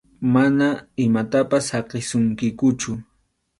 Mana imatapas saqisunkikuchu.